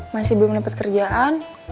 masih belum dapet kerjaan